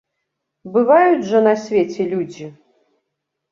Бываюць жа на свеце людзі!